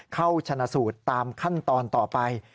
เข้าชนะสูตรตามขั้นตอนต่อไป